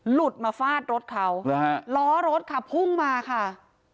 หลุดมาฟาดรถเขาหรือฮะล้อรถค่ะพุ่งมาค่ะ